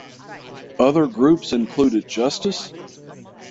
Other groups included Justice?